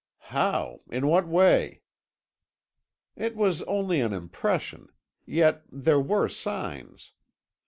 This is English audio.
"How? In what way?" "It was only an impression. Yet there were signs.